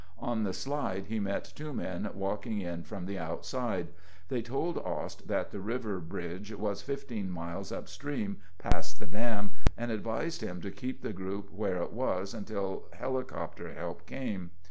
On the slide he met two men walking in from the outside. They told Ost that the river bridge was 15 miles upstream, past the dam, and advised him to keep the group where it was until helicopter help came.